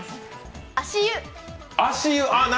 足湯。